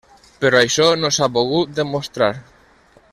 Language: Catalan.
Però això no s'ha pogut demostrar.